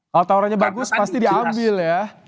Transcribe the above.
kalau tawarannya bagus pasti diambil ya